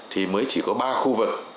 thì mới chỉ có ba khu vực